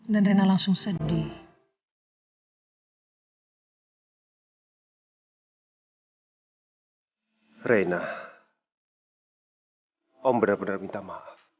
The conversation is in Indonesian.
dan rena langsung sedih